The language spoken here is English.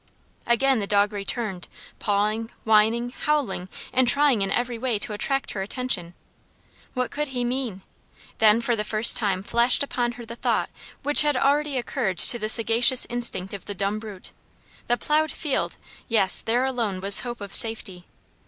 Again the dog returned, pawing, whining, howling, and trying in every way to attract her attention. What could he mean? Then for the first time flashed upon her the thought which had already occurred to the sagacious instinct of the dumb brute! The ploughed field! Yes, there alone was hope of safety!